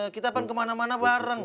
kita akan kemana mana bareng